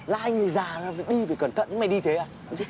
là anh già ra đi phải cẩn thận mày đi thế à